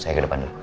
saya ke depan dulu